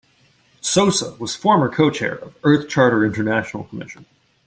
Sosa was former Co-Chair of Earth Charter International Commission.